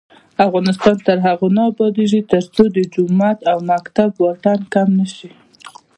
افغانستان تر هغو نه ابادیږي، ترڅو د جومات او مکتب واټن کم نشي.